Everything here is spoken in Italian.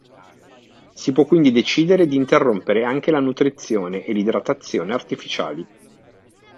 Si può quindi decidere di interrompere anche la nutrizione e l’idratazione artificiali.